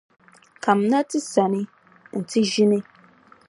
Kamina ti sani nti ʒini.